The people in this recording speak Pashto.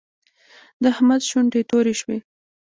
د احمد شونډې تورې شوې.